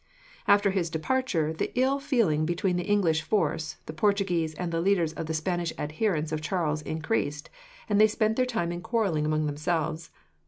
After his departure, the ill feeling between the English force, the Portuguese, and the leaders of the Spanish adherents of Charles increased, and they spent their time in quarrelling among themselves.